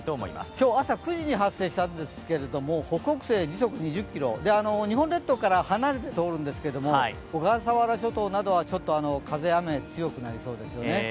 今日、朝９時に発生したんですけど、北北西時速２０キロ、日本列島から離れて通るんですけど小笠原諸島などは風、雨強くなりそうですよね。